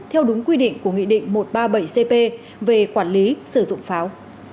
theo đúng quy định của nghị định một trăm ba mươi bảy cp về quản lý sử dụng pháo